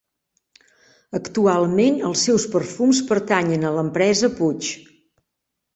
Actualment els seus perfums pertanyen a l'empresa Puig.